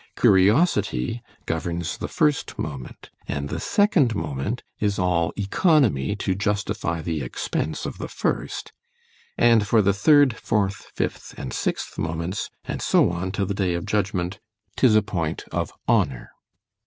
Curiosity governs the first moment; and the second moment is all œconomy to justify the expence of the first——and for the third, fourth, fifth, and sixth moments, and so on to the day of judgment—'tis a point of HONOUR.